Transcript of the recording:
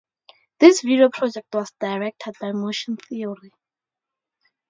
This video project was directed by Motion Theory.